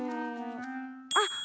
あっ！